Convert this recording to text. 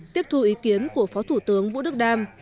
tiếp thu ý kiến của phó thủ tướng vũ đức đam